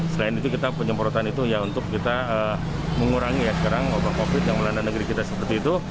selain itu kita penyemprotan itu ya untuk kita mengurangi ya sekarang wabah covid yang melanda negeri kita seperti itu